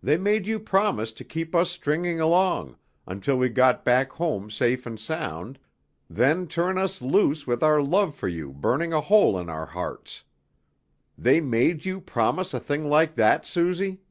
They made you promise to keep us stringing along, until we got back home safe and sound, then turn us loose with our love for you burning a hole in our hearts! They made you promise a thing like that, Suzy?